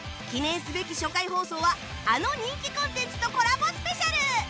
記念すべき初回放送はあの人気コンテンツとコラボスペシャル！